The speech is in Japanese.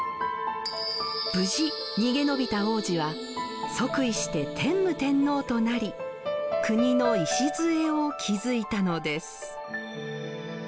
無事逃げ延びた皇子は即位して天武天皇となり国の礎を築いたのです。